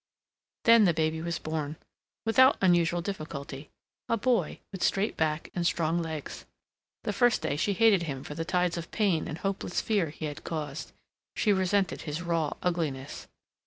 Then the baby was born, without unusual difficulty: a boy with straight back and strong legs. The first day she hated him for the tides of pain and hopeless fear he had caused; she resented his raw ugliness.